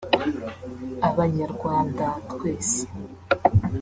Abanyarwanda twese